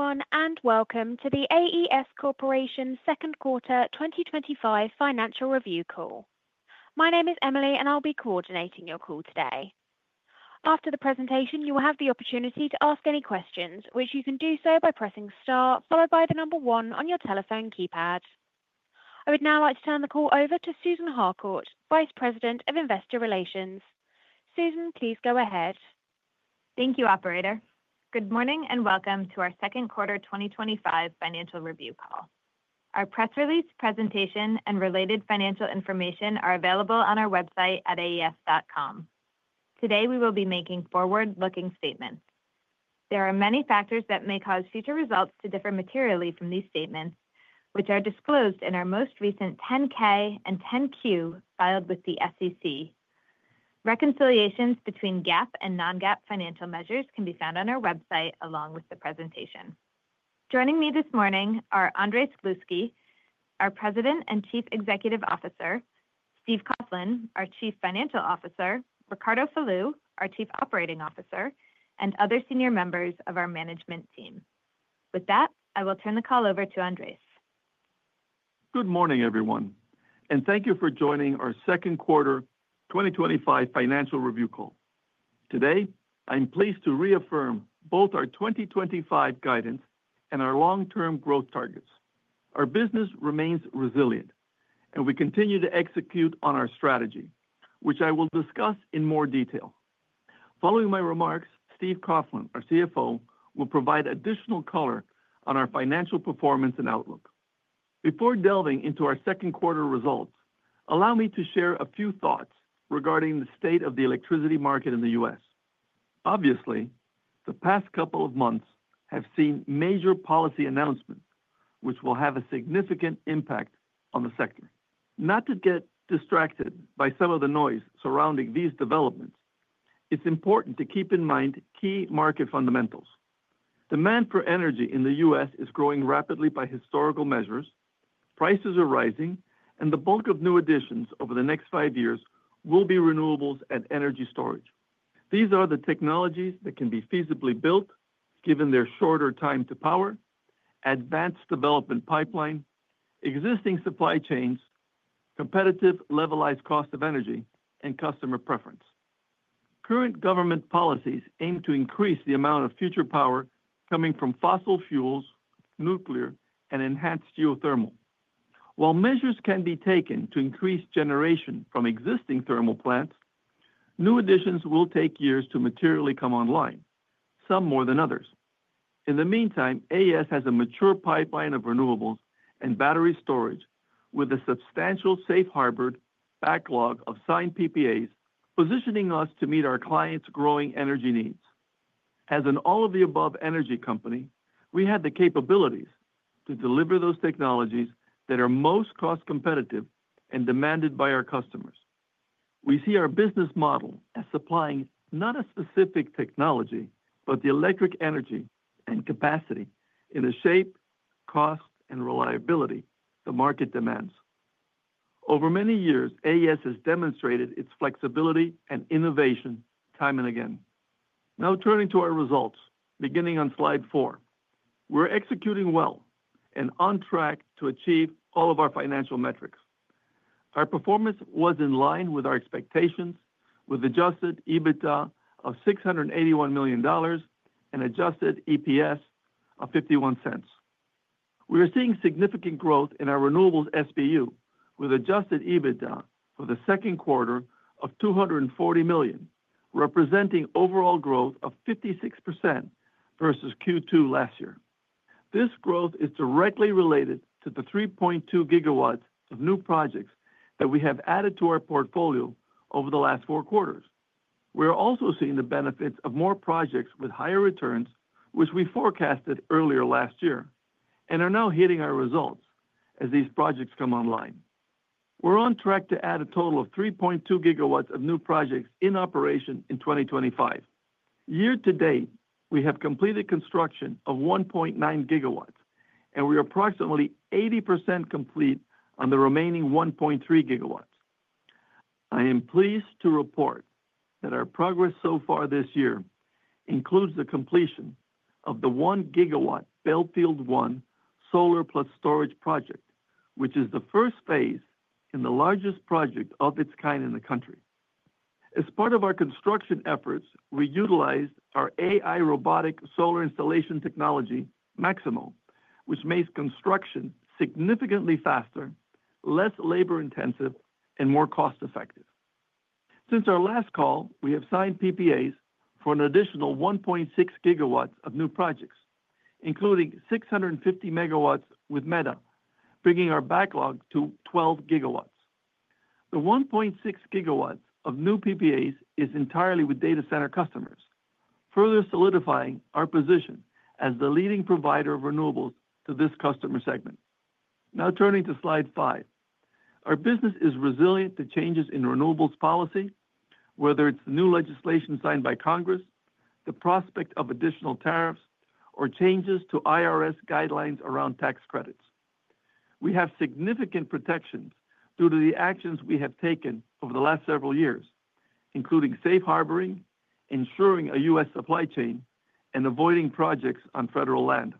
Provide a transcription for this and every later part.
Hello everyone and welcome to The AES Corporation second quarter 2025 financial review call. My name is Emily and I'll be coordinating your call today. After the presentation, you will have the opportunity to ask any questions, which you can do so by pressing STAR followed by the number one on your telephone keypad. I would now like to turn the call over to Susan Harcourt, Vice President of Investor Relations. Susan, please go ahead. Thank you, operator. Good morning and welcome to our second quarter 2025 financial review call. Our press release, presentation, and related financial information are available on our website at AES.com. Today we will be making forward-looking statements. There are many factors that may cause future results to differ materially from these statements, which are disclosed in our most recent 10-K and 10-Q filed with the SEC. Reconciliations between GAAP and non-GAAP financial measures can be found on our website along with the presentation. Joining me this morning are Andrés Gluski, our President and Chief Executive Officer, Steve Coughlin, our Chief Financial Officer, Ricardo Manuel Falú, our Chief Operating Officer, and other senior members of our management team. With that, I will turn the call. Over to Andrés. Good morning everyone and thank you for joining our second quarter 2025 financial review call today. I'm pleased to reaffirm both our 2025 guidance and our long term growth targets. Our business remains resilient and we continue to execute on our strategy, which I will discuss in more detail following my remarks. Steve Coughlin, our CFO, will provide additional color on our financial performance and outlook. Before delving into our second quarter results, allow me to share a few thoughts regarding the state of the electricity market in the U.S. Obviously, the past couple of months have seen major policy announcements which will have a significant impact on the sector. Not to get distracted by some of the noise surrounding these developments, it's important to keep in mind key market fundamentals. Demand for energy in the U.S. is growing rapidly. By historical measures, prices are rising and the bulk of new additions over the next five years will be renewables and energy storage. These are the technologies that can be feasibly built given their shorter time to power, advanced development pipeline, existing supply chains, competitive levelized cost of energy, and customer preference. Current government policies aim to increase the amount of future power coming from fossil fuels, nuclear, and enhanced geothermal. While measures can be taken to increase generation from existing thermal plants, new additions will take years to materially come online, some more than others. In the meantime, AES has a mature pipeline of renewables, battery storage with a substantial safe harbor backlog of signed PPAs positioning us to meet our clients' growing energy needs. As an all of the above energy company, we have the capabilities to deliver those technologies that are most cost competitive and demanded by our customers. We see our business model as supplying not a specific technology but the electric energy and capacity in the shape, cost, and reliability the market demands. Over many years, AES has demonstrated its flexibility and innovation time and again. Now turning to our results beginning on Slide 4, we're executing well and on track to achieve all of our financial metrics. Our performance was in line with our expectations with Adjusted EBITDA of $681 million and adjusted EPS of $0.51. We are seeing significant growth in our renewables SBU with adjusted EBITDA for the second quarter of $240 million, representing overall growth of 56% versus Q2 last year. This growth is directly related to the 3.2 GW of new projects that we have added to our portfolio over the last four quarters. We are also seeing the benefits of more projects with higher returns, which we forecasted earlier last year and are now hitting our results as these projects come online. We're on track to add a total of 3.2 GW of new projects in operation in 2025. Year to date, we have completed construction of 1.9 GW, and we are approximately 80% complete on the remaining 1.3 GW. I am pleased to report that our progress so far this year includes the completion of the 1 GW Belfield 1 solar plus storage project, which is the first phase in the largest project of its kind in the country. As part of our construction efforts, we utilized our Maximo AI Robotic Solar Installation Technology, which makes construction significantly faster, less labor intensive, and more cost effective. Since our last call, we have signed PPAs for an additional 1.6 GW of new projects, including 650 megawatts with Meta, bringing our backlog to 12 GW. The 1.6 GW of new PPAs is entirely with data center customers, further solidifying our position as the leading provider of renewables to this customer segment. Now turning to Slide 5, our business is resilient to changes in renewables policy, whether it's the new legislation signed by Congress, the prospect of additional tariffs, or changes to IRS tax credit guidelines. We have significant protections due to the actions we have taken over the last several years, including safe harboring strategies, ensuring a U.S. supply chain, and avoiding projects on federal land.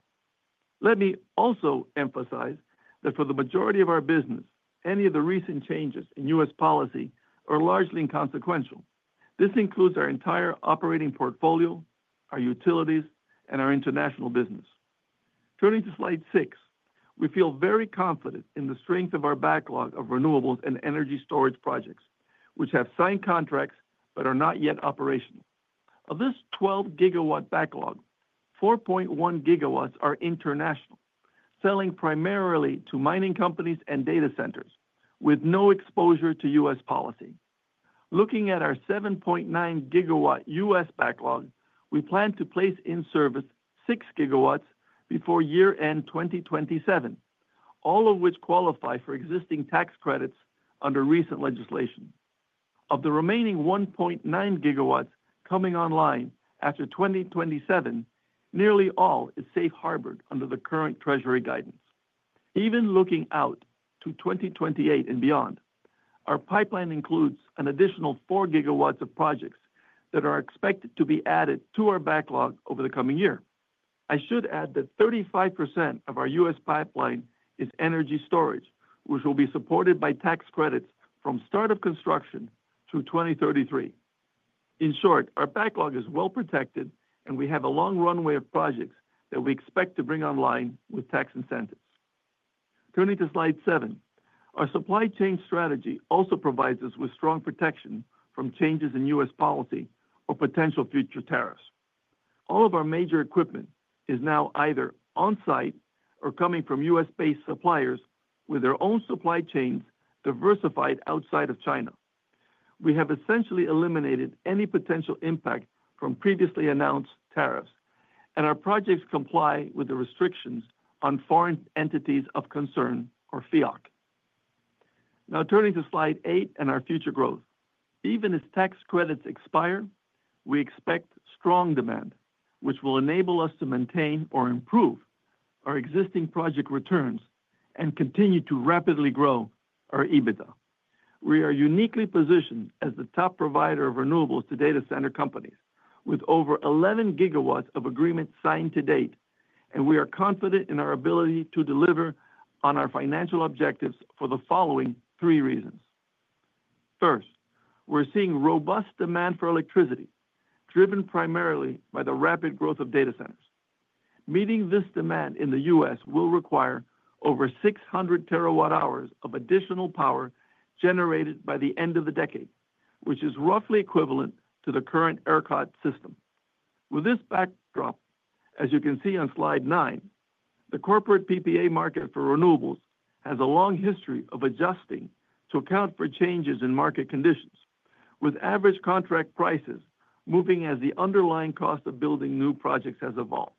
Let me also emphasize that for the majority of our business, any of the recent changes in U.S. policy are largely inconsequential. This includes our entire operating portfolio, our utilities, and our international business. Turning to Slide 6, we feel very confident in the strength of our backlog of renewables and energy storage projects, which have signed contracts but are not yet operational. Of this 12 GW backlog, 4.1 GW are international, selling primarily to mining companies and data centers with no exposure to U.S. policy. Looking at our 7.9 GW U.S. backlog, we plan to place in service 6 GW before year end 2027, all of which qualify for existing tax credits under recent legislation. Of the remaining 1.9 GW coming online after 2027, nearly all is safe harbored under the current Treasury guidance. Even looking out to 2028 and beyond, our pipeline includes an additional 4 GW of projects that are expected to be added to our backlog over the coming year. I should add that 35% of our U.S. pipeline is energy storage, which will be supported by tax credits from start of construction through 2033. In short, our backlog is well protected and we have a long runway of projects that we expect to bring online with tax incentives. Turning to Slide 7, our supply chain strategy also provides us with strong protection from changes in U.S. policy or potential future tariffs. All of our major equipment is now either on site or coming from U.S.-based suppliers with their own supply chains diversified outside of China. We have essentially eliminated any potential impact from previously announced tariffs, and our projects comply with the restrictions on Foreign Entities of Concern or FEOC. Now turning to Slide 8 and our future growth. Even as tax credits expire, we expect strong demand, which will enable us to maintain or improve our existing project returns and continue to rapidly grow our EBITDA. We are uniquely positioned as the top provider of renewables to data center companies, with over 11 GW of agreements signed to date, and we are confident in our ability to deliver on our financial objectives for the following three reasons. First, we're seeing robust demand for electricity driven primarily by the rapid growth of data centers. Meeting this demand in the U.S. will require over 600 TWh of additional power generated by the end of the decade, which is roughly equivalent to the current ERCOT system. With this backdrop, as you can see on Slide 9, the corporate PPA market for renewables has a long history of adjusting to account for changes in market conditions, with average contract prices moving as the underlying cost of building new projects has evolved.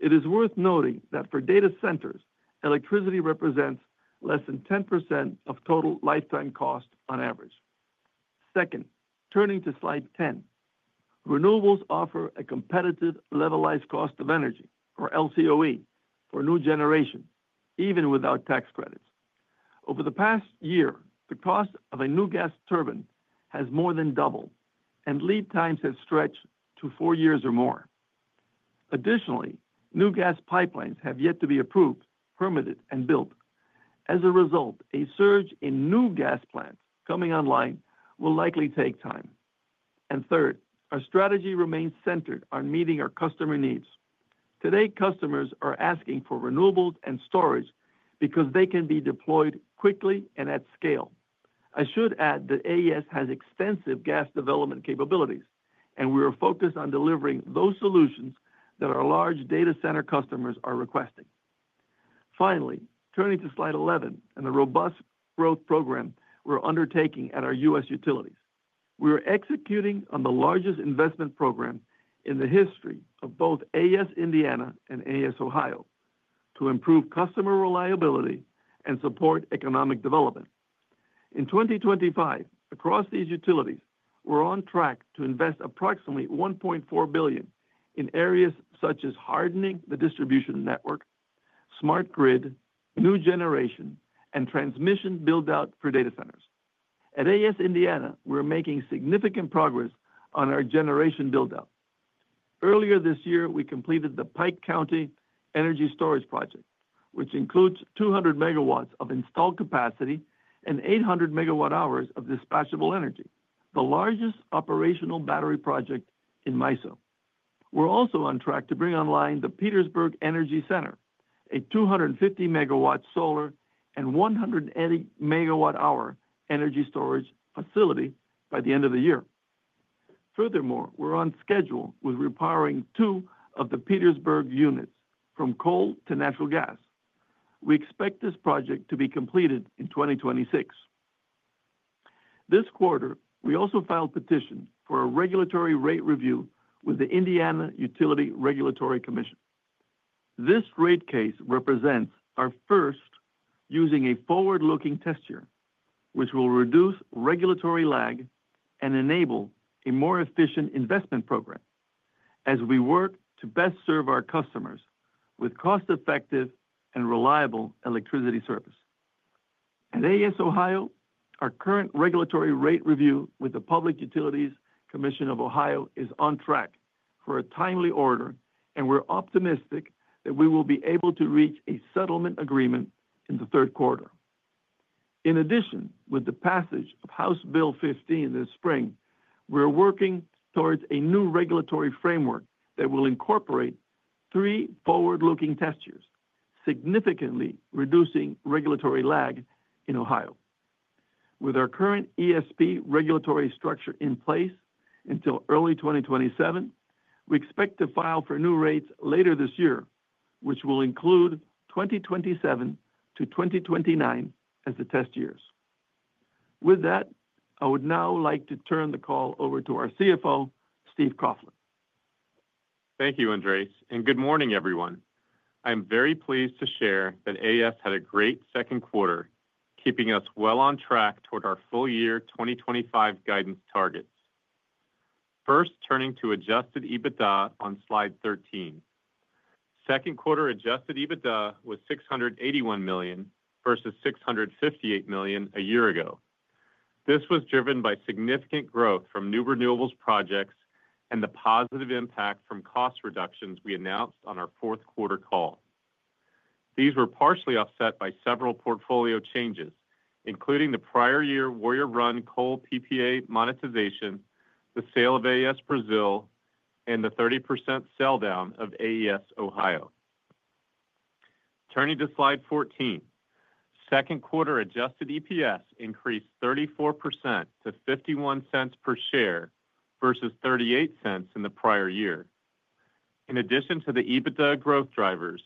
It is worth noting that for Data Centers, Electricity represents less than 10% of total lifetime cost on average. Second, turning to Slide 10, Renewables offer a competitive Levelized Cost of Energy, or LCOE, for new generations even without tax credits. Over the past year, the cost of a new Gas Turbine has more than doubled and lead times have stretched to four years or more. Additionally, new Gas Pipelines have yet to be approved, permitted, and built. As a result, a surge in new Gas Plants coming online will likely take time. Third, our strategy remains centered on meeting our customer needs. Today, customers are asking for Renewables and Energy Storage because they can be deployed quickly and at scale. I should add that AES has extensive Gas Development Capabilities and we are focused on delivering those solutions that our large data center customers are requesting. Finally, turning to Slide 11 and the robust growth program we're undertaking at our U.S. Utilities, we are executing on the largest investment program in the history of both AES Indiana and AES Ohio to improve customer reliability and support economic development in 2025. Across these utilities, we're on track to invest approximately $1.4 billion in areas such as Hardening the Distribution Network, Smart Grid, New Generation, and Transmission Build-Out for data centers. At AES Indiana, we're making significant progress on our Generation Build-Out. Earlier this year, we completed the Pike County Energy Storage Project, which includes 200 megawatts of installed capacity and 800 megawatt hours of dispatchable energy, the largest operational battery project in MISO. We're also on track to bring online the Petersburg Energy Center, a 250 megawatt solar and 180 megawatt hour energy storage facility by the end of the year. Furthermore, we're on schedule with repowering two of the Petersburg units from coal to natural gas. We expect this project to be completed in 2026. This quarter, we also filed a petition for a Regulatory Rate Review with the Indiana Utility Regulatory Commission. This Rate Case represents our first using a Forward-Looking Test Year, which will reduce Regulatory Lag and enable a more efficient investment program as we work to best serve our customers with cost-effective and reliable Electricity Service. At AES Ohio, our current Regulatory Rate Review with the Public Utilities Commission of Ohio is on track for a timely order and we're optimistic that we will be able to reach a Settlement Agreement in the third quarter. In addition, with the passage of House Bill 15 this spring, we are working towards a new Regulatory Framework that will incorporate three forward-looking test years, significantly reducing Regulatory Lag in Ohio. With our current ESP Regulatory Structure in place until early 2027, we expect to file for new rates later this year, which will include 2027-2029 as the test years. With that, I would now like to turn the call over to our CFO Steve Coughlin. Thank you, Andrés, and good morning, everyone. I am very pleased to share that AES had a great second quarter, keeping us well on track toward our full year 2025 guidance targets. First, turning to Adjusted EBITDA on Slide 13, Second Quarter Adjusted EBITDA was $681 million versus $658 million a year ago. This was driven by significant growth from new Renewables Projects and the positive impact from Cost Reductions we announced on our fourth quarter call. These were partially offset by several Portfolio Changes, including the prior year Warrior Run Coal PPA monetization, the sale of AES Brazil, and the 30% sell down of AES Ohio. Turning to Slide 14, Second Quarter Adjusted EPS increased 34% to $0.51 per share versus $0.38 in the prior year. In addition to the EBITDA growth drivers,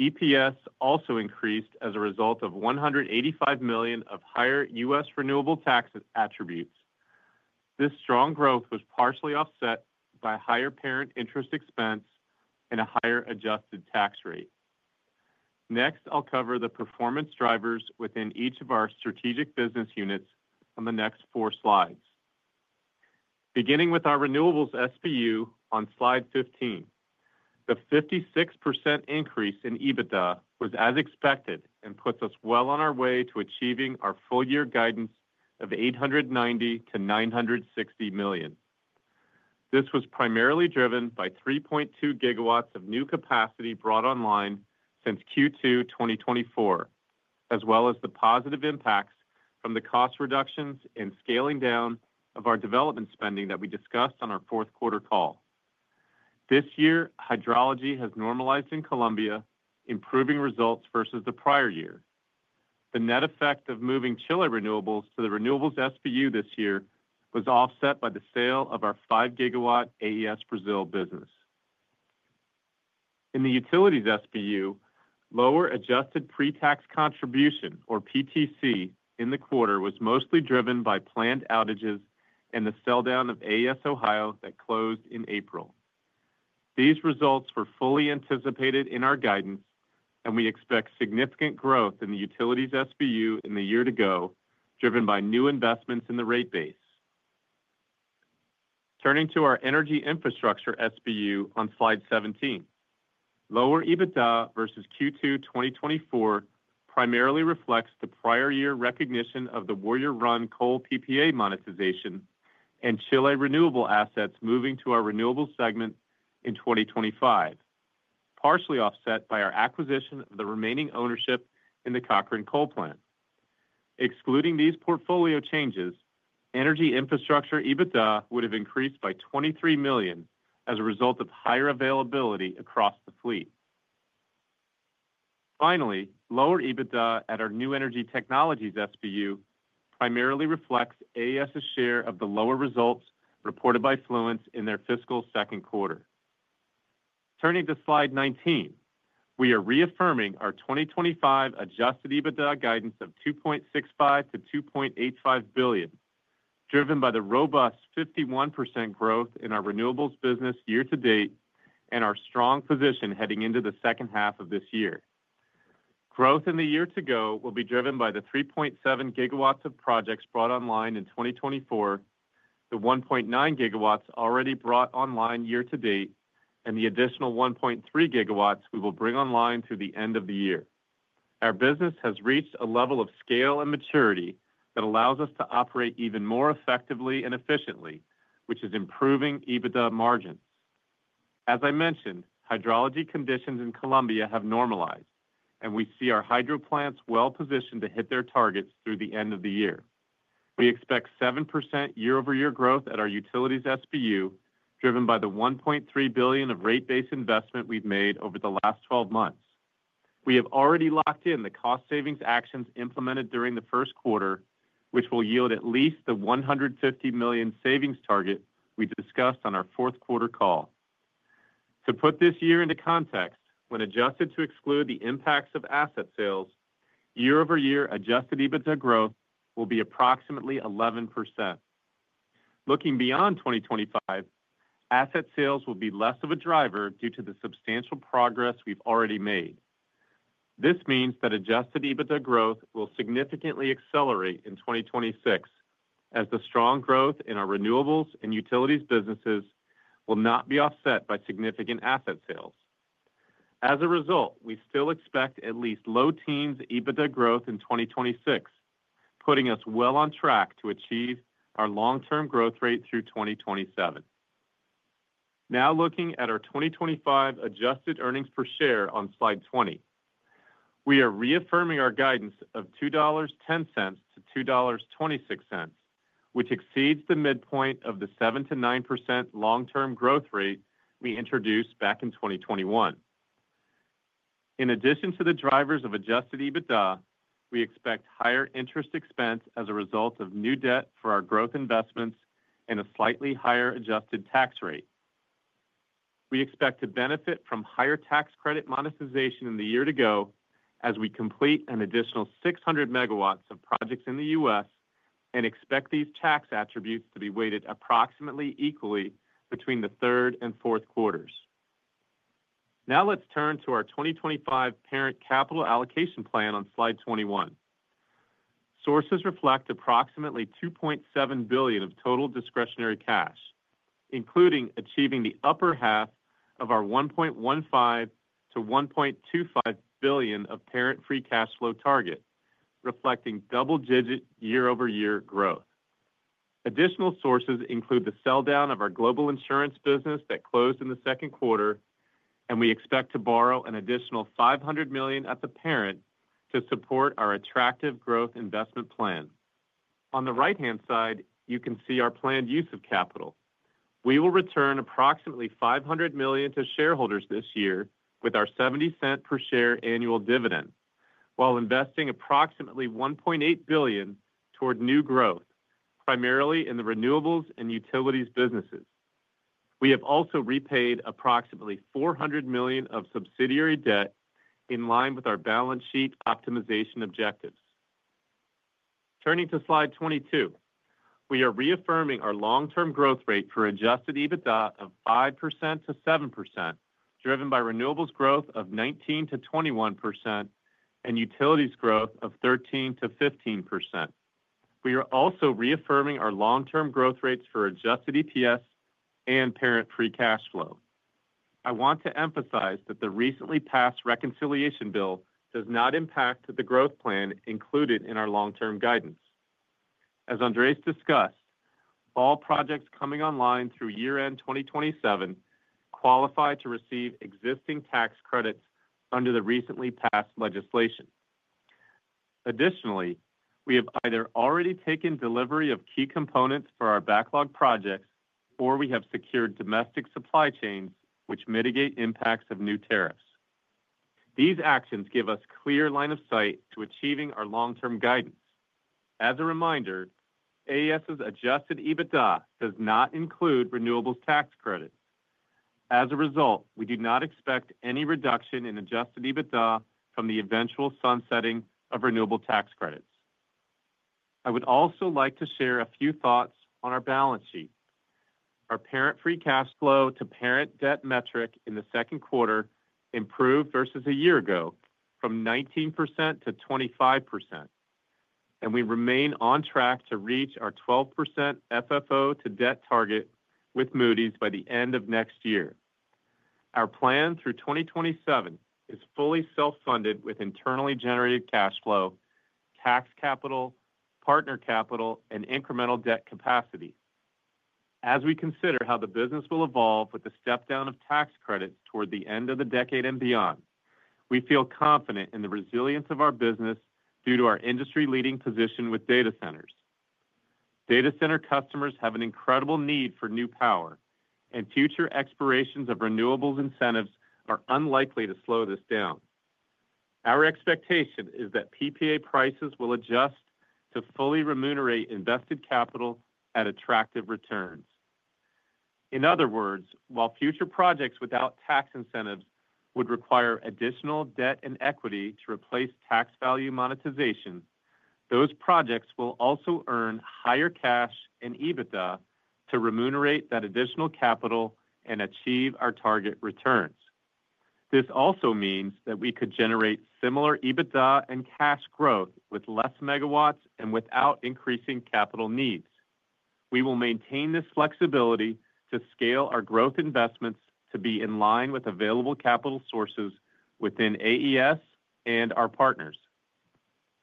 EPS also increased as a result of $185 million of higher U.S. Renewable Tax Attributes. This strong growth was partially offset by higher Parent Interest Expense and a higher Adjusted Tax Rate. Next, I'll cover the performance drivers within each of our Strategic Business Units on the next four Slides, beginning with our Renewables SBU on Slide 15. The 56% increase in EBITDA was as expected and puts us well on our way to achieving our full year guidance of $890 million-$960 million. This was primarily driven by 3.2 GW of new capacity brought online since Q2 2024, as well as the positive impacts from the Cost Reductions and scaling down of our Development Spending that we discussed on our Fourth Quarter call this year. Hydrology has normalized in Colombia, improving results versus the prior year. The net effect of moving Chile Renewables to the Renewables SBU this year was offset by the sale of our 5 GW AES Brazil business in the Utilities SBU. Lower Adjusted Pretax Contribution, or PTC, in the quarter was mostly driven by planned outages and the sell down of AES Ohio that closed in April. These results were fully anticipated in our guidance, and we expect significant growth in the Utilities SBU in the year to go, driven by new investments in the Rate Base. Turning to our Energy Infrastructure SBU on Slide 17, lower EBITDA versus Q2 2024 primarily reflects the prior year recognition of the Warrior Run Coal PPA monetization and Chile Renewable Assets moving to our Renewables Segment in 2025, partially offset by our acquisition of the remaining ownership in the Cochrane Coal Plant. Excluding these portfolio changes, Energy Infrastructure EBITDA would have increased by $23 million as a result of higher availability across the fleet. Finally, lower EBITDA at our New Energy Technologies SBU primarily reflects AES's share of the lower results reported by Fluence in their Fiscal Second Quarter. Turning to Slide 19, we are reaffirming our 2025 Adjusted EBITDA Guidance of $2.65-$2.85 billion, driven by the robust 51% growth in our renewables business year to date and our strong position heading into the second half of this year. Growth in the year to go will be driven by the 3.7 GW of projects brought online in 2024, the 1.9 GW already brought online year to date, and the additional 1.3 GW we will bring online through the end of the year. Our business has reached a level of scale and maturity that allows us to operate even more effectively and efficiently, which is improving EBITDA Margins. As I mentioned, hydrology conditions in Colombia have normalized and we see our hydro plants well positioned to hit their targets through the end of the year. We expect 7% year over year growth at our Utilities SBU driven by the $1.3 billion of Rate-Based Investment we've made over the last 12 months. We have already locked in the Cost Savings Actions implemented during the First Quarter, which will yield at least the $150 million savings target we discussed on our Fourth Quarter Call. To put this year into context, when adjusted to exclude the impacts of asset sales year over year, Adjusted EBITDA Growth will be approximately 11%. Looking beyond 2025, Asset Sales will be less of a driver due to the substantial progress we've already made. This means that Adjusted EBITDA Growth will significantly accelerate in 2026 as the strong growth in our Renewables and Utilities Businesses will not be offset by significant asset sales. As a result, we still expect at least Low-Teens EBITDA Growth in 2026, putting us well on track to achieve our Long-Term Growth Rate through 2027. Now, looking at our 2025 adjusted earnings per share on Slide 20, we are reaffirming our guidance of $2.10 to $2.26, which exceeds the midpoint of the 7%-9% Long-Term Growth Rate we introduced back in 2021. In addition to the drivers of Adjusted EBITDA, we expect higher Interest Expense as a result of new debt for our Growth Investments and a slightly higher Adjusted Tax Rate. We expect to benefit from higher tax credit monetization in the year to go as we complete an additional 600 megawatts of projects in the U.S. and expect these tax attributes to be weighted approximately equally between the third and fourth quarter orders. Now let's turn to our 2025 parent capital allocation plan on Slide 21. Sources reflect approximately $2.7 billion of total discretionary cash including achieving the upper half of our $1.15 to $1.25 billion of parent free cash flow target reflecting double-digit year-over-year growth. Additional sources include the sell down of our global insurance business that closed in the second quarter, and we expect to borrow an additional $500 million at the parent to support our attractive growth investment plan. On the right-hand side, you can see our planned use of capital. We will return approximately $500 million to shareholders this year with our $0.70 per share annual dividend while investing approximately $1.8 billion toward new growth, primarily in the Renewables and Utilities Businesses. We have also repaid approximately $400 million of subsidiary debt in line with our balance sheet optimization objectives. Turning to Slide 22, we are reaffirming our Long-Term Growth Rate for Adjusted EBITDA of 5% to 7% driven by renewables growth of 19% to 21% and utilities growth of 13% to 15%. We are also reaffirming our Long-Term Growth Rates for adjusted EPS and parent free cash flow. I want to emphasize that the recently passed reconciliation bill does not impact the growth plan included in our long-term guidance. As Andrés Gluski discussed, all projects coming online through year-end 2027 qualify to receive existing tax credits under the recently passed legislation. Additionally, we have either already taken delivery of key components for our backlog projects or we Domestic Supply Chain, which mitigate impacts of new tariffs. These actions give us clear line of sight to achieving our long-term guidance. As a reminder, AES's Adjusted EBITDA does not include renewables tax credits. As a result, we do not expect any reduction in Adjusted EBITDA from the eventual sunsetting of renewable tax credits. I would also like to share a few thoughts on our balance sheet. Our parent free cash flow to parent debt metric in the second quarter improved versus a year ago from 19% to 25%, and we remain on track to reach our 12% FFO to debt target with Moody's by the end of next year. Our plan through 2027 is fully self-funded with internally generated cash flow, tax capital, partner capital, and incremental debt capacity as we consider how the business will evolve with the step down of tax credits toward the end of the decade and beyond. We feel confident in the resilience of our business due to our industry-leading position with data centers. Data center customers have an incredible need for new power and future expirations of renewables. Incentives are unlikely to slow this down. Our expectation is that PPA prices will adjust to fully remunerate invested capital at attractive returns. In other words, while future projects without tax incentives would require additional debt and equity to replace tax value monetization, those projects will also earn higher cash and EBITDA to remunerate that additional capital and achieve our target returns. This also means that we could generate similar EBITDA and cash growth with less megawatts and without increasing capital needs. We will maintain this flexibility to scale our growth investments to be in line with available capital sources within AES and our partners.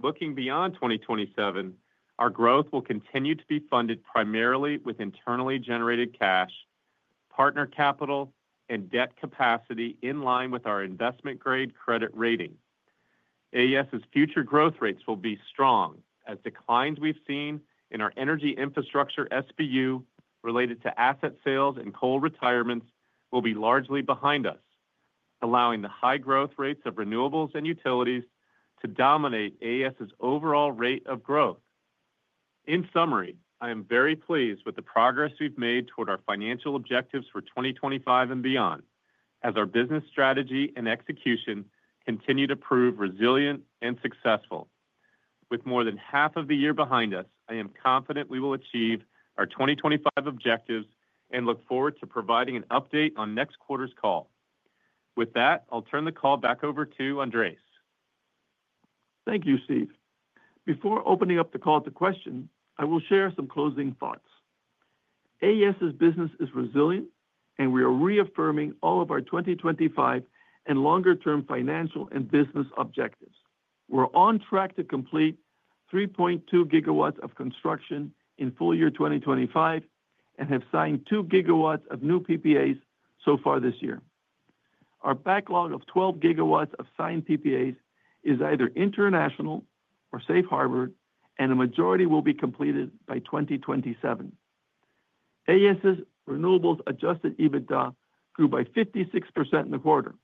Looking beyond 2027, our growth will continue to be funded primarily with internally generated cash, partner capital, and debt capacity in line with our investment-grade credit rating. AES's future growth rates will be strong as declines we've seen in our energy infrastructure SBU related to asset sales and coal retirements will be largely behind us, allowing the high growth rates of renewables and utilities to dominate AES's overall rate of growth. In summary, I am very pleased with the progress we've made toward our financial objectives for 2025 and beyond as our business strategy and execution continue to prove resilient and successful. With more than half of the year behind us, I am confident we will achieve our 2025 objectives and look forward to providing an update on next quarter's call. With that, I'll turn the call back over to Andrés. Thank you, Steve. Before opening up the call to questions, I will share some closing thoughts. AES's business is resilient and we are reaffirming all of our 2025 and longer term financial and business objectives. We're on track to complete 3.2 GW of construction in full year 2025 and have signed 2 GW of new PPAs so far this year. Our backlog of 12 GW of signed PPAs is either international or safe harbor and a majority will be completed by 2027. AES's renewables Adjusted EBITDA grew by 56% in the quarter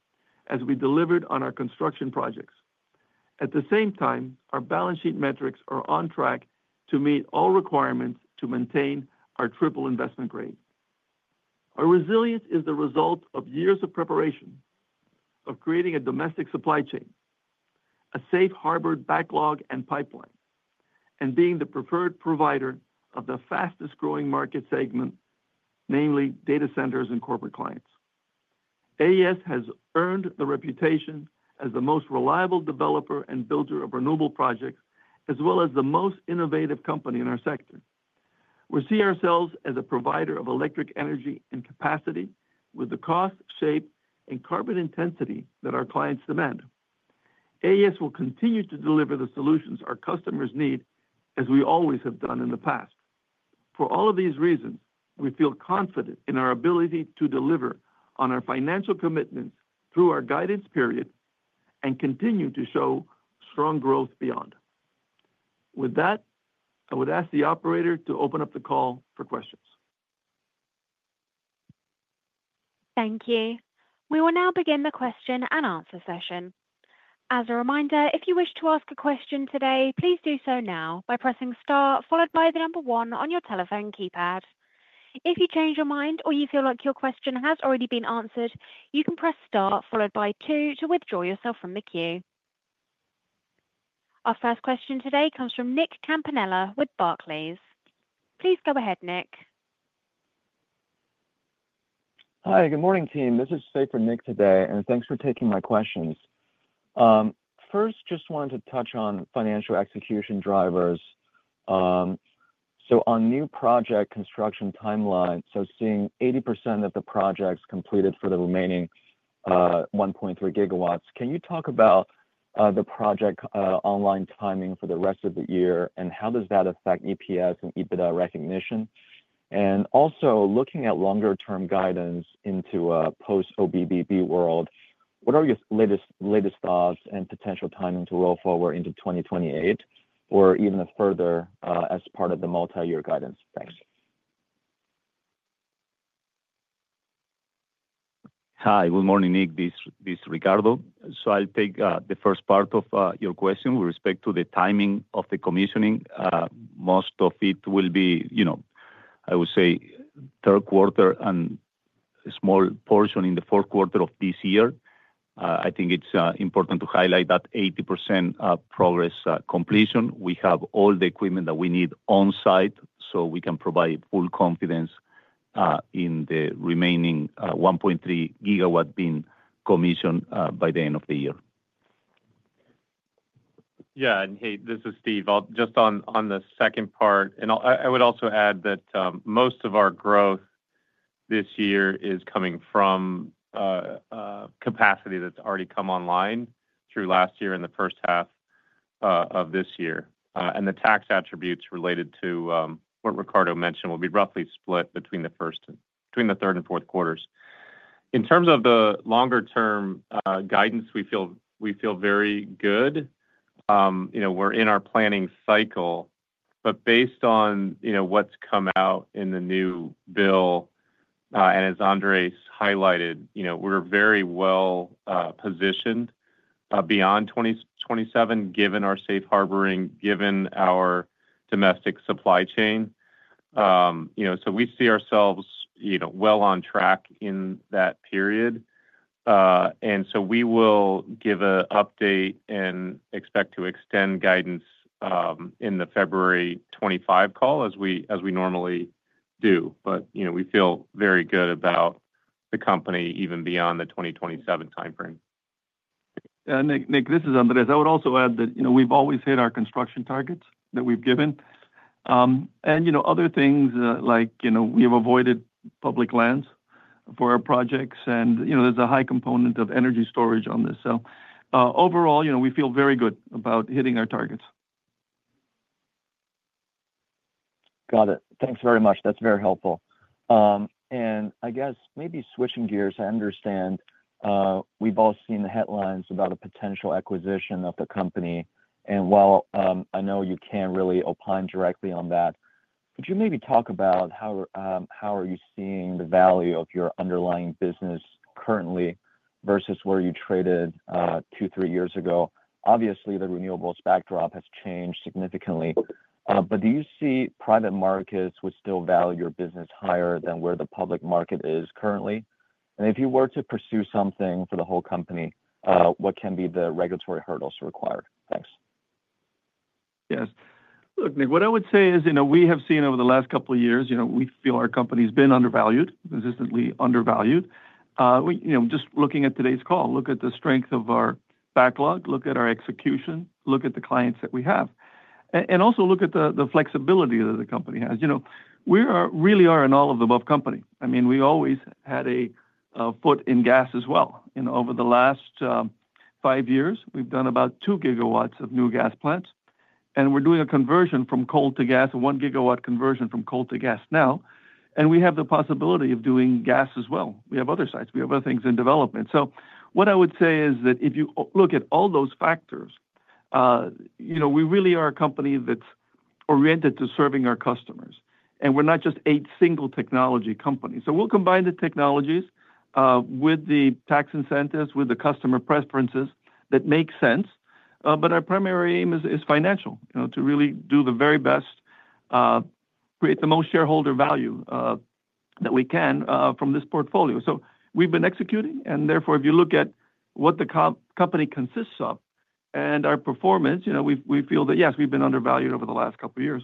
as we delivered on our construction projects. At the same time, our balance sheet metrics are on track to meet all requirements to maintain our triple investment grade. Our resilience is the result of years of Domestic Supply Chain, a safe harbor, backlog and Pipeline, and being the preferred provider of the fastest growing market segment, namely Data Centers and Corporate Clients. AES has earned the reputation as the most reliable Developer and Builder of Renewable Projects, as well as the most innovative company in our sector. We see ourselves as a Provider of Electric Energy and Capacity, with the cost, shape and carbon intensity that our clients demand. AES will continue to deliver the solutions our customers need as we always have done in the past. For all of these reasons, we feel confident in our ability to deliver on our financial commitments through our Guidance Period and continue to show strong growth beyond. With that, I would ask the Operator to open up the call for questions. Thank you. We will now begin the Question-and-Answer Session. As a reminder, if you wish to ask a question today, please do so now by pressing star followed by the number one on your telephone keypad. If you change your mind or you feel like your question has already been answered, you can press star followed by 2 to withdraw yourself from the queue. Our first question today comes from Nick Campanella with Barclays. Please go ahead, Nick. Hi, good morning team. This is Fae for Nick today and thanks for taking my questions first. Just wanted to touch on Financial Execution Drivers. On New Project Construction Timeline, seeing 80% of the projects completed for the remaining 1.3 GW, can you talk about the Project Online Timing for the rest of the year and how does that affect EPS and EBITDA recognition? Also, looking at Longer-Term Guidance into a post OBBB world, what are your latest thoughts and potential timing to roll forward into 2028 or even further as part of the Multi-Year Guidance. Thanks. Hi, good morning Nick, this is Ricardo. I'll take the first part of your question with respect to the timing of the commissioning. Most of it will be, you know, I would say third quarter and a small portion in the fourth quarter of this year. I think it's important to highlight that 80% progress completion. We have all the equipment that we need on site, so we can provide full confidence in the remaining 1.3 GW being commissioned by the end of the year. Yeah, and hey, this is Steve. Just on the second part, I would also add that most of our growth this year is coming from capacity that's already come online through last year and the first half of this year, and the Tax Attributes related to what Ricardo mentioned will be roughly split between the third and fourth quarters. In terms of the longer term guidance, we feel very good. You know, we're in our planning cycle, but based on what's come out in the new bill, and as Andrés highlighted, we're very well positioned beyond 2027, given our safe harboring, given our Domestic Supply Chain, so we see ourselves well on track in that period. We will give an update and expect to extend guidance in the February 25 call as we normally do. You know, we feel very good about the company even beyond the 2027 timeframe. Nick, this is Andrés. I would also add that we've always hit our construction targets that we've given and other things like we have avoided public lands for our projects, and there's a high component of energy storage on this. Overall, we feel very good about hitting our target. Got it. Thanks very much. That's very helpful. I guess maybe switching gears, I understand we've all seen the headlines about a potential acquisition of the company. While I know you can't really opine directly on that, could you maybe talk about how are you seeing the value of your underlying business currently versus where you traded two, three years ago? Obviously, the renewables backdrop has changed significantly, but do you see private markets would still value your business higher than where the public market is currently? If you were to pursue something for the whole company, what can be the Regulatory hurdles required? Thanks. Yes. Look, Nick, what I would say is we have seen over the last couple of years, we feel our company has been undervalued, consistently undervalued. Just looking at today's call, look at the strength of our backlog, look at our execution, look at the clients that we have, and also look at the flexibility that the company has. We really are an all of the above company. I mean, we always had a foot in gas as well. Over the last five years, we've done about 2 GW of new gas plants, and we're doing a conversion from coal to gas, a 1 GW conversion from coal to gas now. We have the possibility of doing gas as well. We have other sites, we have other things in development. What I would say is that if you look at all those factors, we really are a company that's oriented to serving our customers, and we're not just a single technology company. We'll combine the technologies with the tax incentives, with the customer preferences that make sense. Our primary aim is financial, to really do the very best, create the most shareholder value that we can from this portfolio. We've been executing and therefore if you look at what the company consists of and our performance, we feel that, yes, we've been undervalued over the last couple of years.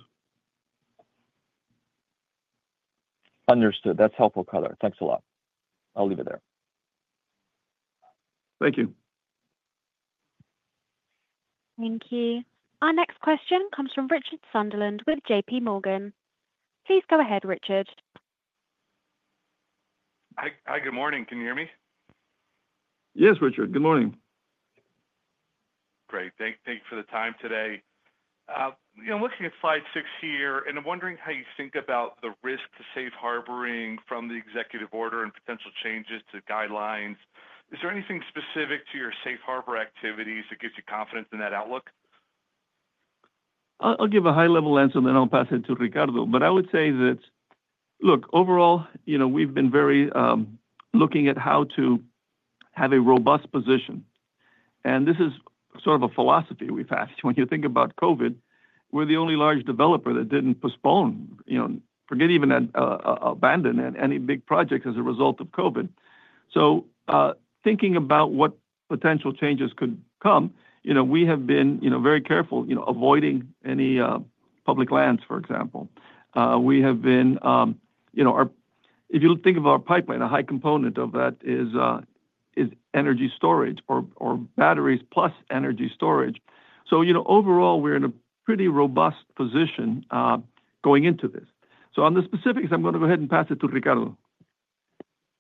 Understood, that's helpful. Color? Thanks a lot. I'll leave it there. Thank you. Thank you. Our next question comes from Richard Sunderland with JP Morgan. Please go ahead, Richard. Hi, good morning, can you hear me? Yes, Richard, good morning. Great, thank you for the time today. Looking at Slide six here, I'm wondering how you think about the risk to safe harboring from the executive order and potential changes to guidelines. Is there anything specific to your safe harboring strategies. Harbor activities that gives you confidence in that outlook? I'll give a high level answer, then I'll pass it to Ricardo. I would say that, look, overall, we've been very looking at how to have a robust position, and this is sort of a philosophy we've had. When you think about COVID, we're the only large developer that didn't postpone, you know, forget, even abandon any big projects as a result of COVID. Thinking about what potential changes could come, we have been very careful, avoiding any public lands, for example. If you think of our pipeline, a high component of that is energy storage or batteries plus energy storage. Overall, we're in a pretty robust position going into this. On the specifics, I'm going to go ahead and pass it to Ricardo.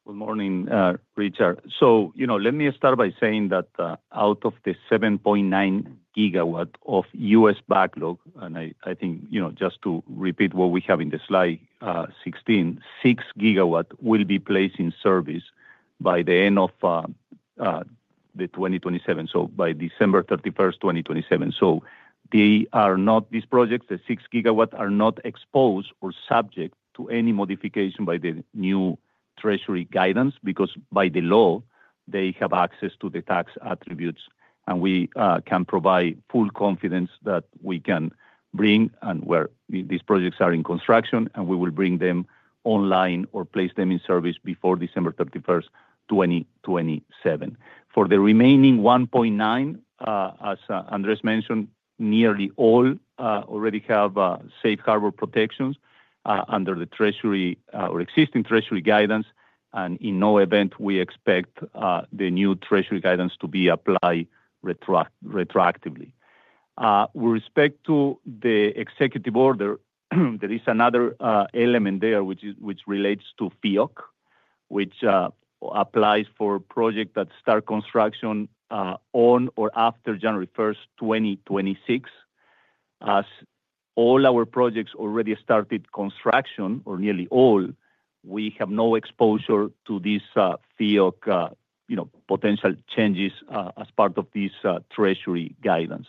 Good morning, Richard. Let me start by saying that out of the 7.9 GW of U.S. backlog, and just to repeat what we have in the Slide, 16.6 GW will be placed in service by the end of 2027, by December 31, 2027. These projects, the 6 GW, are not exposed or subject to any modification by the new treasury guidance because by the law they have access to the tax attributes. We can provide full confidence that we can bring and where these projects are in construction, we will bring them online or place them in service before December 31, 2027. For the remaining 1.9, as Andrés mentioned, nearly all already have safe harbor protections under the treasury or existing treasury guidance. In no event do we expect the new treasury guidance to be applied retroactively with respect to the executive order. There is another element there, which relates to FIAC, which applies for projects that start construction on or after January 1, 2026. As all our projects already started construction, or nearly all, we have no exposure to this FIAC potential changes as part of this treasury guidance.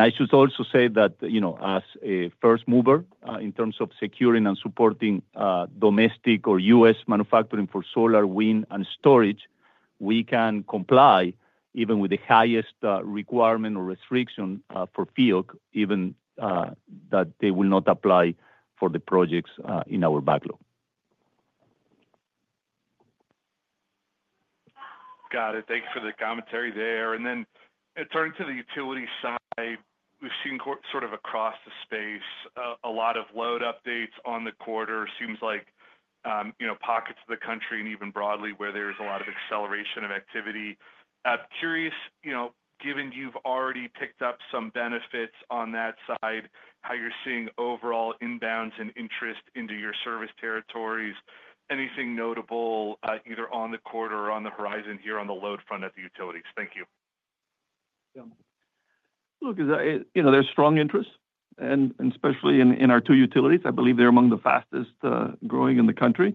I should also say that as a first mover in terms of securing and supporting domestic or U.S. manufacturing for solar, wind, and storage, we can comply even with the highest requirement or restriction for FIAC, even though they will not apply for the projects in our backlog. Got it. Thank you for the commentary there. Turning to the utility side, we've seen sort of across the space. A lot of load updates in the quarter. Seems like pockets of the. Country and even broadly where there's a lot of acceleration of activity. Curious, you know, given you've already picked up some benefits on that side, how? You're seeing overall inbounds and interest into your service territories. Anything notable either on the quarter or on the horizon here on the load? Thank you. Look, you know, there's strong interest and especially in our two utilities. I believe they're among the fastest growing in the country.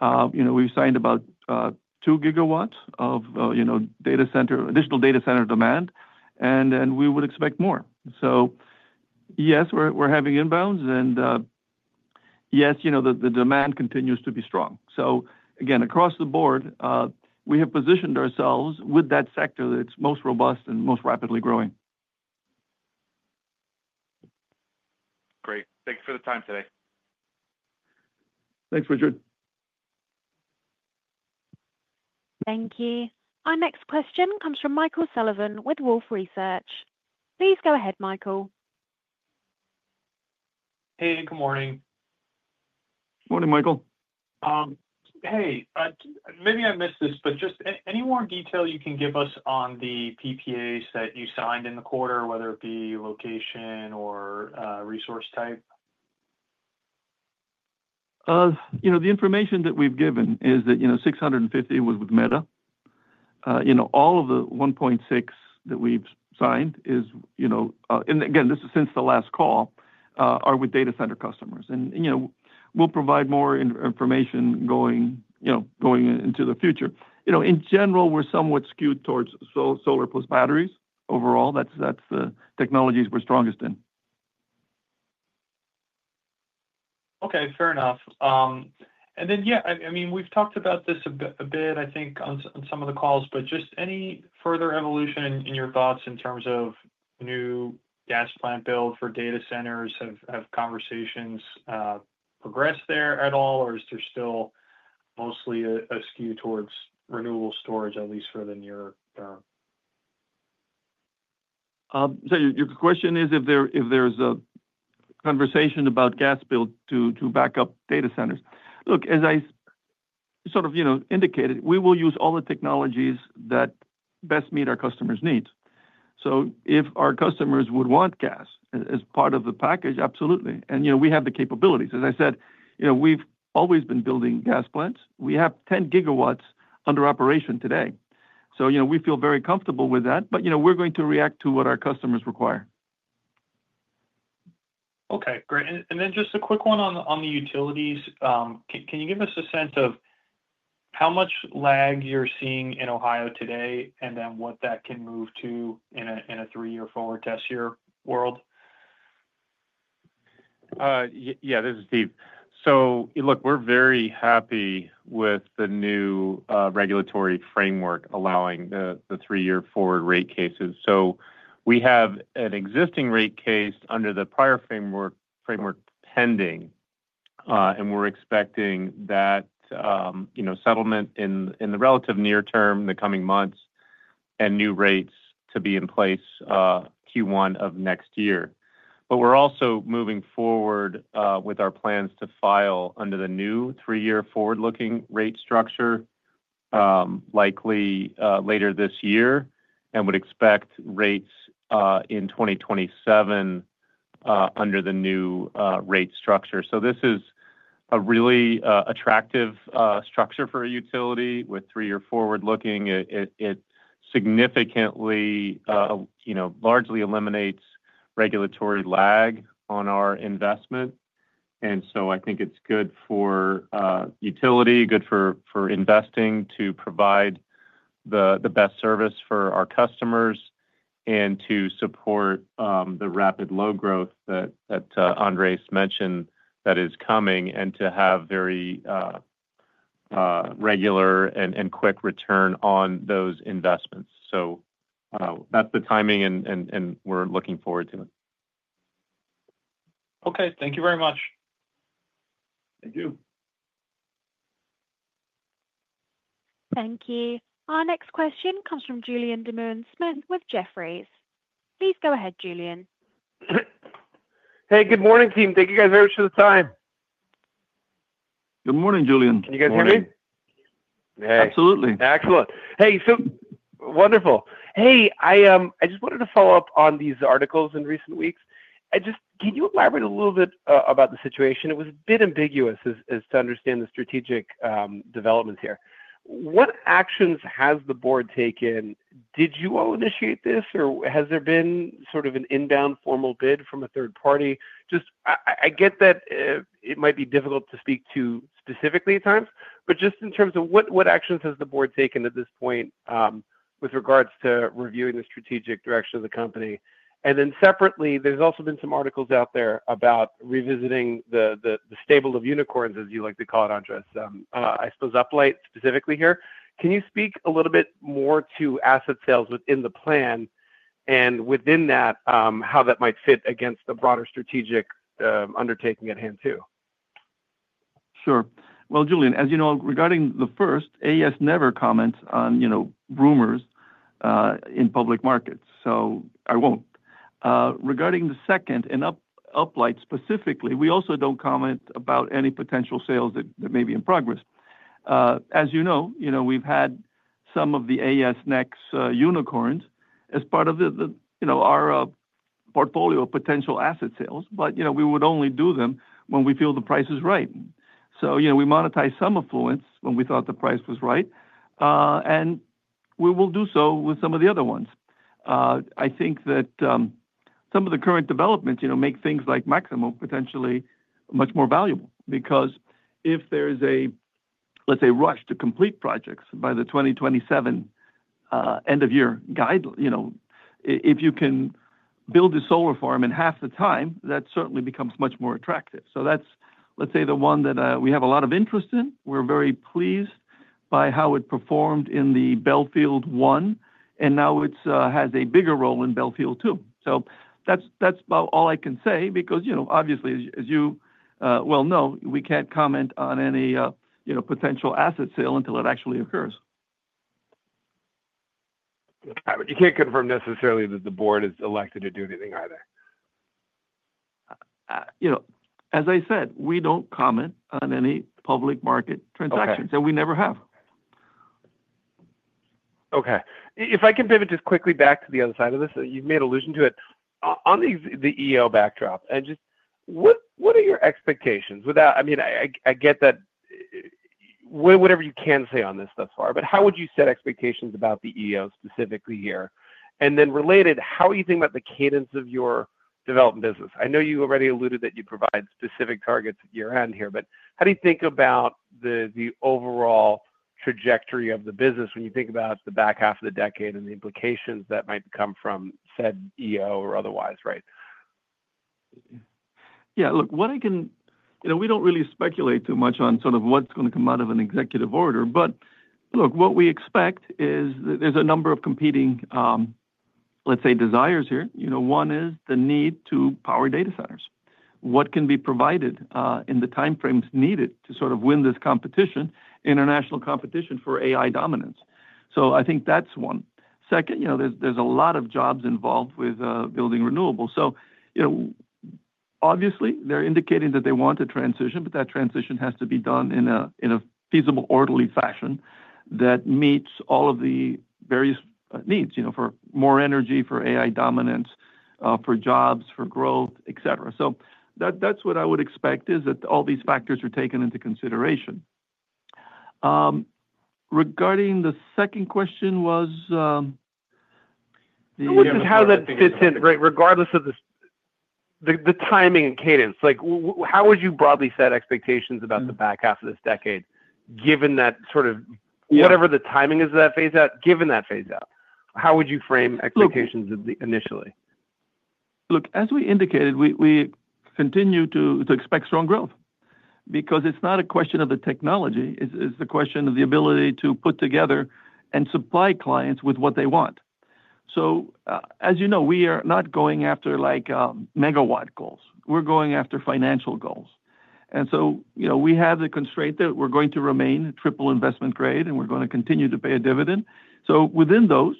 We've signed about 2 GW of data center, additional data center demand and we would expect more. Yes, we're having inbounds and yes, the demand continues to be strong. Again, across the board we have positioned ourselves with that sector that's most robust and most rapidly growing. Great. Thanks for the time today. Thanks, Richard. Thank you. Our next question comes from Michael Sullivan with Wolfe Research. Please go ahead. Michael. Hey, good morning. Morning, Michael. Maybe I missed this, but just. Any more detail you can give us on the PPAs that you signed in the quarter, whether it be or resource? The information that we've given is that $650 million was with Meta. All of the $1.6 billion that we've signed, and again this is since the last call, are with data center customers. We'll provide more information going into the future. In general, we're somewhat skewed towards solar plus batteries overall. That's the technologies we're strongest in. Okay, fair enough. Yeah, I mean we've talked. about this a bit, I think, on some of the calls. Any further evolution in your... Thoughts in terms of new gas plant. Build for data centers? Have conversations progressed there at all, or is there still mostly a skew towards? Renewable storage at least for the near term. Your question is if there's a conversation about gas built to back up data centers. Look, as I indicated, we will use all the technologies that best meet our customers' needs. If our customers would want gas as part of the package, absolutely. We have the capabilities, as I said, we've always been building gas plants. We have 10 GW under operation today. We feel very comfortable with that. We're going to react to what our customers require. Okay, great. Just a quick one on the utilities. Can you give us a sense of? How much lag you're seeing in Ohio. Today, what that can move to in a three-year forward test year world? Yeah, this is Steve. We're very happy with the new Regulatory framework allowing the three-year forward rate cases. We have an existing rate case under the prior framework pending, and we're expecting that settlement in the relatively near term, the coming months, and new rates to be in place Q1 of next year. We're also moving forward with our plans to file under the new three-year forward-looking rate structure likely later this year and would expect rates in 2027 under the new rate structure. This is a really attractive structure for a utility with three-year forward-looking; it significantly, you know, largely eliminates Regulatory lag on our investment. I think it's good for utility, good for investing to provide the best service for our customers and to support the rapid load growth that Andrés mentioned that is coming and to have very regular and quick return on those investments. That's the timing and we're looking forward to it. Okay, thank you very much. Thank you. Thank you. Our next question comes from Julian Demoulin-Smith with Jefferies. Please go ahead, Julian. Hey, good morning team. Thank you very much for the time. Good morning, Julian. Can you hear me? Absolutely. Excellent. Hey, so wonderful. I just wanted to follow up on these articles in recent weeks. Can you elaborate a little bit about the situation? It was a bit ambiguous as to understand the strategic developments here. What actions has the board taken? Did you all initiate this or has there been sort of an inbound formal bid from a third party? I get that it might be difficult to speak to specifically at times, but just in terms of what actions has the board taken at this point with regards to reviewing the strategic direction of the company? Then separately there's also been some. Articles out there about revisiting the stable of unicorns, as you like to call it. Andrés, I suppose uplight specifically here, can you speak a little bit more to. Asset sales within the plan and within that, how that might fit against the broader strategic undertaking at hand too? Sure. Julian, as you know, regarding the first, AES never comments on rumors in public markets, so I won't. Regarding the second and Uplight specifically, we also don't comment about any potential sales that may be in progress, as you know. We've had some of the next unicorns as part of our portfolio of potential asset sales, but we would only do them when we feel the price is right. We monetize some affluence when we thought the price was right and we will do so with some of the other ones. I think that some of the current developments make things like Maximo AI Robotic Solar Installation Technology potentially much more valuable because if there is a, let's say, rush to complete projects by the 2027 end-of-year Guideline, if you can build a Solar Farm in half the time, that certainly becomes much more attractive. That's the one that we have a lot of interest in. We're very pleased by how it performed in the Belfield one and now it has a bigger role in Belfield two. That's about all I can say because, obviously, as you well know, we can't comment on any potential asset sale until it actually occurs. You can't confirm necessarily that the board. Is elected to do anything either. As I said, we don't comment on any public market transactions and we never have. If I can pivot just quickly back to the other side of this. You've made allusion to it on these, the EO backdrop. What are your expectations? I get that whatever you can say on this thus far, but how would you set expectations about the EO specifically here, and then related, how are you thinking about the cadence of your development business? I know you already alluded that you provide specific targets at year end here. How do you think about the. Overall trajectory of the business when you think about the back half of the year. Decade and the implications that might come from said EO or otherwise? Right. Yeah. Look, what I can, you know, we don't really speculate too much on sort of what's going to come out of an executive order. What we expect is there's a number of competing, let's say, desires here. One is the need to power data centers. What can be provided in the timeframes needed to win this competition, international competition for AI dominance. I think that's one. Second, there's a lot of jobs involved with building renewables. Obviously, they're indicating that they want a transition, but that transition has to be done in a feasible, orderly fashion that meets all of the various needs for more energy, for AI dominance, for jobs, for growth, et cetera. That's what I would expect, that all these factors are taken into consideration. Regarding the second question. How that fits in. Right. Regardless of the timing and cadence, how would you broadly set expectations about. The back half of this decade, given. That sort of whatever the timing is of that phase out? Given that phase out, how would you frame expectations initially? Look, as we indicated, we continue to expect strong growth because it's not a question of the technology, it's a question of the ability to put together and supply clients with what they want. As you know, we are not going after like megawatt goals, we're going after financial goals. We have the constraint that we're going to remain triple investment grade and we're going to continue to pay a dividend. Within those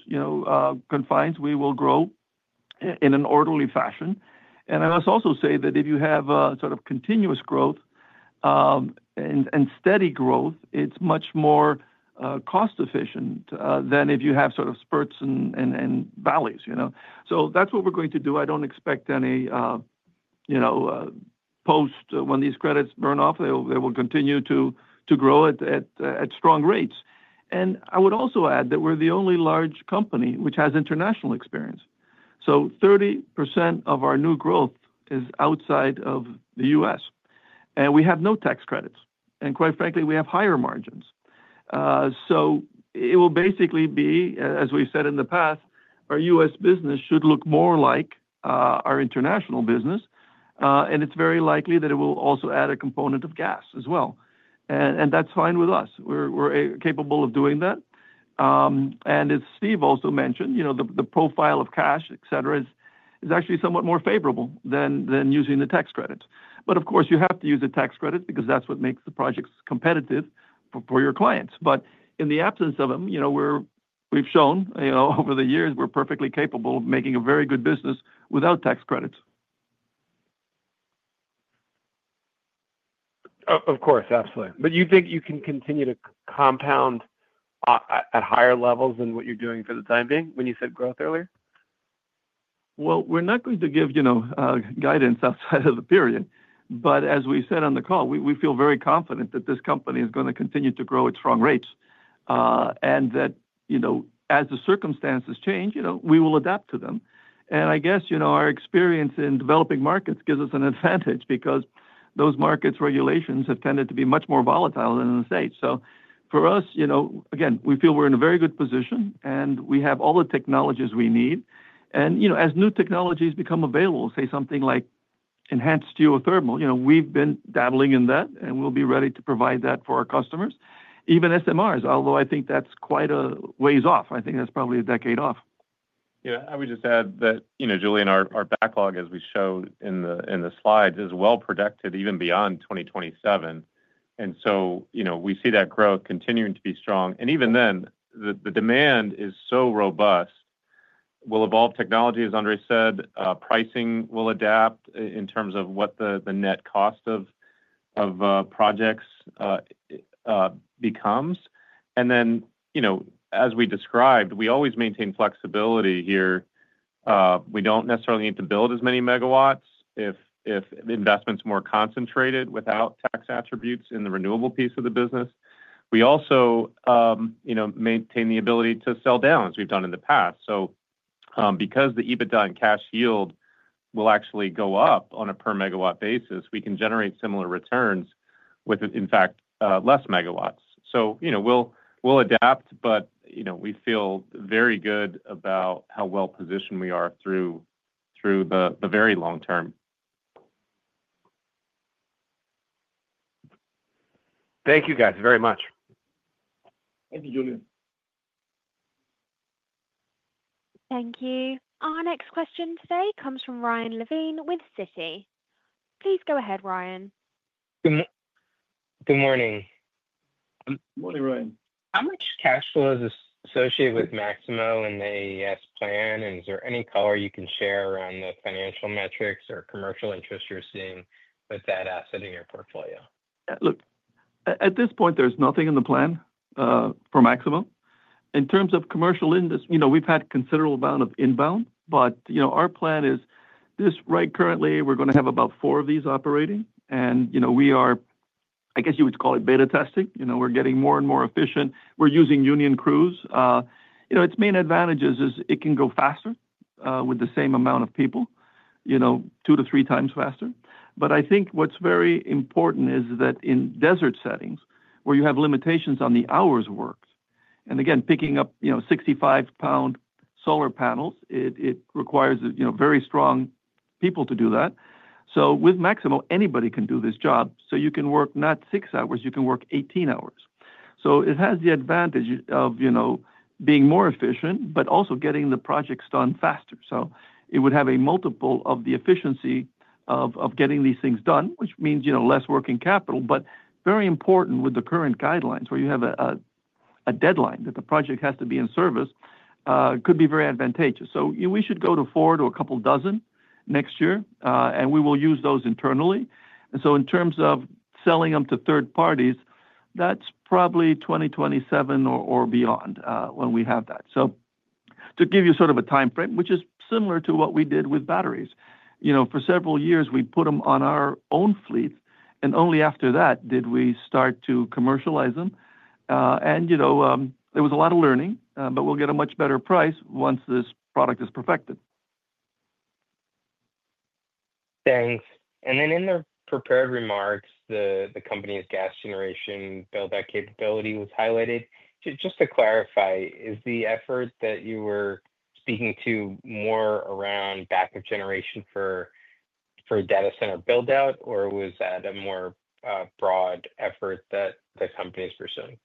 confines, we will grow in an orderly fashion. I must also say that if you have sort of continuous growth and steady growth, it's much more cost efficient than if you have sort of spurts and valleys, you know, so that's what we're going to do. I don't expect any, you know, post. When these credits burn off, they will continue to grow at strong rates. I would also add that we're the only large company which has international experience. 30% of our new growth is outside of the U.S. and we have no tax credits. Quite frankly, we have higher margins. It will basically be, as we said in the past, our U.S. business should look more like our international business. It's very likely that it will also add a component of gas as well. That's fine with us. We're capable of doing that. As Steve also mentioned, the profile of cash, et cetera, is actually somewhat more favorable than using the tax credit. Of course, you have to use the tax credit because that's what makes the projects competitive for your clients. In the absence of them, we've shown over the years we're perfectly capable of making a very good business without tax credits. Of course, absolutely. But you think you can continue to. Compound at higher levels than what you're. For the time being, when you said growth earlier? We're not going to give guidance outside of the period. As we said on the call, we feel very confident that this company is going to continue to grow at strong rates and that as the circumstances change, we will adapt to them. I guess our experience in developing markets gives us an advantage because those markets' regulations have tended to be much more volatile than in the U.S. For us, we feel we're in a very good position and we have all the technologies we need. As new technologies become available, say something like enhanced geothermal, we've been dabbling in that and we'll be ready to provide that for our customers, even SMRs, although I think that's quite a ways off. I think that's probably a decade off. Yeah, I would just add that, you know, Julian, our backlog, as we showed in the Slides, is well protected even beyond 2027. We see that growth continuing to be strong, and even then the demand is so robust, technology will evolve, as Andrés said, pricing will adapt in terms of what the net cost of projects becomes. As we described, we always maintain flexibility here. We don't necessarily need to build as many megawatts if investments are more concentrated without tax attributes in the renewables piece of the business. We also maintain the ability to sell down as we've done in the past. Because the EBITDA and cash yield will actually go up on a per megawatt basis, we can generate similar returns with, in fact, less megawatts. We will adapt, but we feel very good about how well positioned we are through the very long term. Thank you guys very much. Thank you, Julian. Thank you. Our next question today comes from Ryan Levine with Citi. Please go ahead, Ryan. Good morning. Good morning. Ryan. How much cash flow is associated? AI Robotic Solar Installation Technology and the AES plan, is there any color you can share around the financial metrics or commercial interest you're seeing with that asset in your portfolio? Look, at this point, there's nothing in the plan for Maximo in terms of commercial, you know, we've had considerable amount of inbound, but our plan is this, right? Currently we're going to have about four of these operating, and we are, I guess you would call it beta testing. We're getting more and more efficient. We're using union crews. Its main advantages is it can go faster with the same amount of people, two to three times faster. I think what's very important is that in desert settings where you have limitations on the hours worked, and again, picking up 65 pound solar panels, it requires very strong people to do that. With Maximo, anybody can do this job. You can work not six hours, you can work 18 hours. It has the advantage of being more efficient, but also getting the projects done faster. It would have a multiple of the efficiency of getting these things done, which means less working capital. Very important with the current guidelines, where you have a deadline that the project has to be in service, could be very advantageous. We should go to four to a couple dozen next year, and we will use those internally. In terms of selling them to third parties, that's probably 2027 or beyond when we have that. To give you sort of a time frame which is similar to what we did with batteries, you know, for several years, we put them on our own fleet, and only after that did we start to commercialize them. There was a lot of learning, but we'll get a much better price once this product is perfected. Thanks. In the prepared remarks, the company's gas generation build capability was highlighted. Just to clarify, is the effort that you were speaking to more around backup generation for data center build out, or was that a more broad effort that the company is pursuing?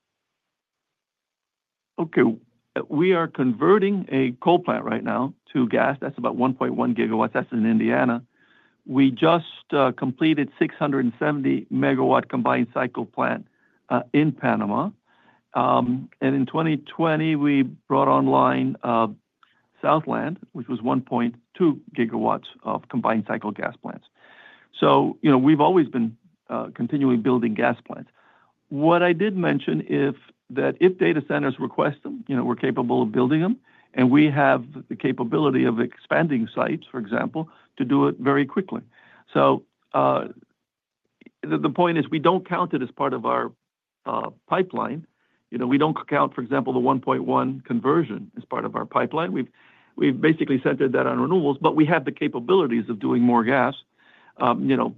Okay, we are converting a coal plant right now to gas. That's about 1.1 GW. That's in Indiana. We just completed a 670 megawatt combined cycle plant in Panama. In 2020, we brought online Southland, which was 1.2 GW of combined cycle gas plants. We've always been continually building gas plants. What I did mention is that if data centers request them, we're capable of building them, and we have the capability of expanding sites, for example, to do it very quickly. The point is, we don't count it as part of our pipeline. We don't count, for example, the 1.1 GW conversion as part of our pipeline. We've basically centered that on renewables, but we have the capabilities of doing more gas. For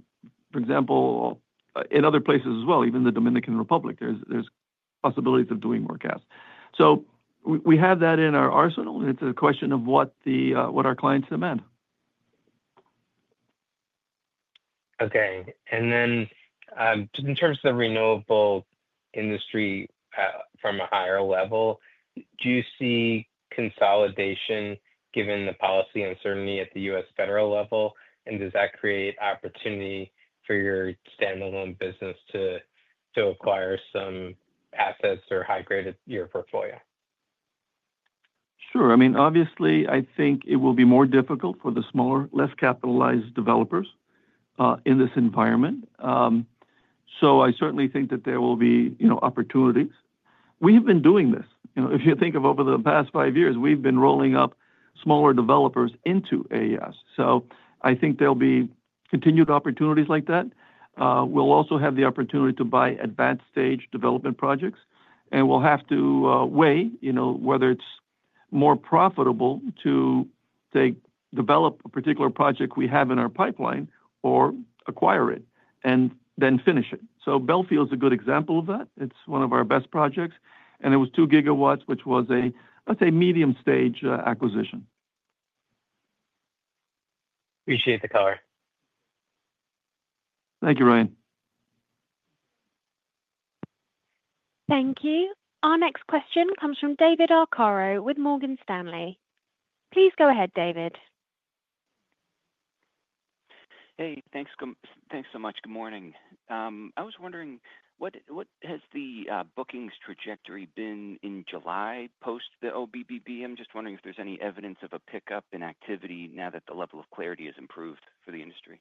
example, in other places as well, even the Dominican Republic, there's possibilities of doing more gas. We have that in our arsenal. It's a question of what our clients demand. Okay. In terms of renewable industry from a higher level, do you see consolidation given the policy uncertainty at the U.S. federal level? Does that create opportunity for your standalone business to acquire some assets or high grade your portfolio? Sure. Obviously, I think it will be more difficult for the smaller, less capitalized developers in this environment. I certainly think that there will be opportunities. We have been doing this, if you think of over the past five years we've been rolling up smaller developers into AES. I think there'll be continued opportunities like that. We'll also have the opportunity to buy advanced stage development projects and we'll have to weigh whether it's more profitable to develop a particular project we have in our pipeline or acquire it and then finish it. Bellfield is a good example of that. It's one of our best projects and it was 2 GW, which was a, let's say, medium stage acquisition. Appreciate the color. Thank you, Ryan. Thank you. Our next question comes from David Arcaro with Morgan Stanley. Please go ahead, David. Hey, thanks so much. Good morning. I was wondering what has the bookings trajectory been in July post the OBBB? I'm just wondering if there's any evidence of a pickup in activity now that the level of clarity has improved for the industry.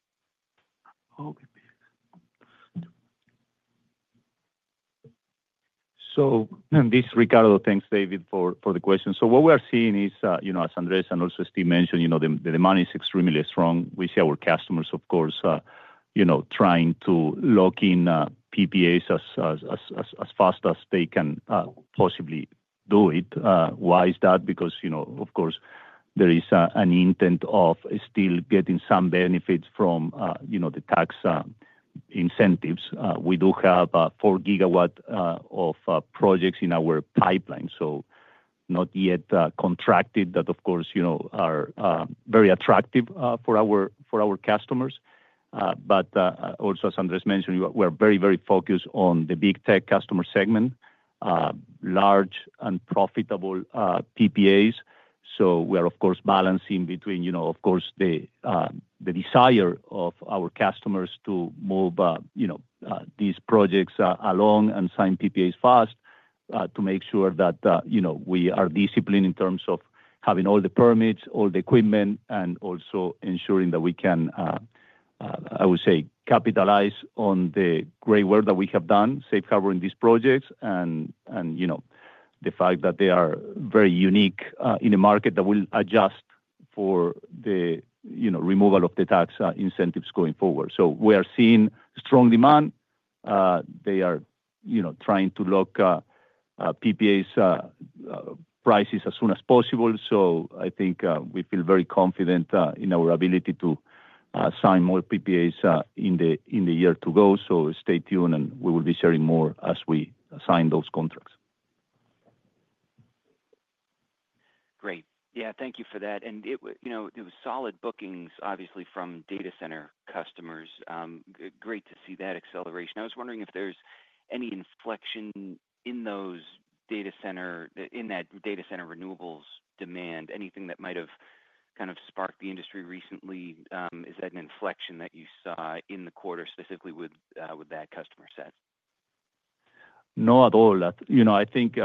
Thank you, David, for the question. What we are seeing is, as Andrés and also Steve mentioned, the demand is extremely strong. We see our customers, of course, trying to lock in power purchase agreements (PPAs) as fast as they can possibly do it. Why is that? Because there is an intent of still getting some benefits from the tax incentives. We do have 4 GW of projects in our pipeline, not yet contracted, that are very attractive for our customers. Also, as Andrés mentioned, we're very, very focused on the big tech customer segment, large and profitable PPAs. We are balancing between the desire of our customers to move these projects along and sign PPAs fast to make sure that we are disciplined in terms of having all the permits, all the equipment, and also ensuring that we can capitalize on the great work that we have done safeguarding these projects and the fact that they are very unique in a market that will adjust for the removal of the tax incentives going forward. We are seeing strong demand. They are trying to lock PPA prices as soon as possible. We feel very confident in our ability to sign more PPAs in the year to go. Stay tuned and we will be sharing more as we sign those contracts. Great. Thank you for that. It was solid bookings obviously from data center customers. Great to see that acceleration. I was wondering if there's any inflection in those data center, in that data center renewables demand, anything that might have kind of sparked the industry recently. Is that an inflection that you saw in the quarter specifically with that customer set? Not at all. I think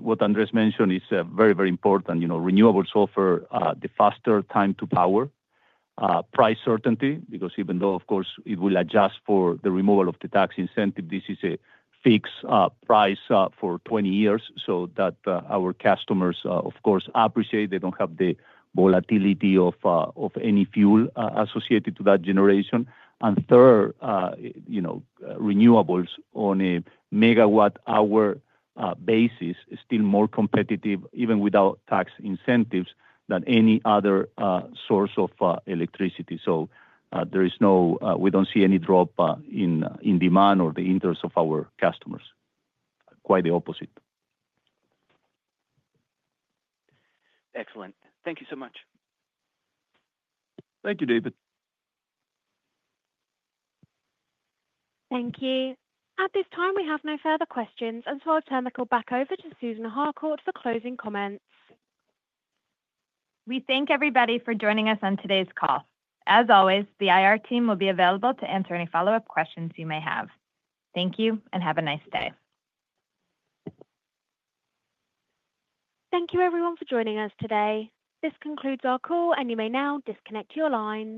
what Andrés mentioned is very, very important. Renewables offer the faster time to power price certainty because even though, of course, it will adjust for the removal of the tax incentive, this is a fixed price for 20 years so that our customers, of course, appreciate they don't have the volatility of any fuel associated to that generation. Third, renewables on a megawatt hour basis are still more competitive even without tax incentives than any other source of electricity. There is no, we don't see any drop in demand or the interest of our customers. Quite the opposite. Excellent. Thank you so much. Thank you, David. Thank you. At this time we have no further questions. I'll turn the call back over to Susan Harcourt for closing comments. We thank everybody for joining us on today's call. As always, the IR team will be available to answer any follow up questions you may have. Thank you and have a nice day. Thank you everyone for joining us today. This concludes our call and you may now disconnect your lines.